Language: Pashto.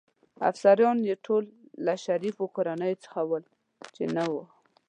افسران يې ټول له شریفو کورنیو څخه ول، چې نه و.